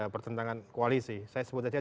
penangan koalisi saya sebutnya